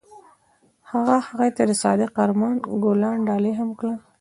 هغه هغې ته د صادق آرمان ګلان ډالۍ هم کړل.